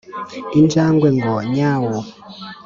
injangwe ngo nyawu